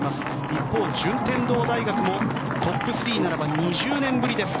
一方、順天堂大学もトップ３ならば２０年ぶりです。